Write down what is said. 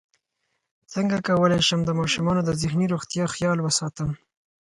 څنګه کولی شم د ماشومانو د ذهني روغتیا خیال وساتم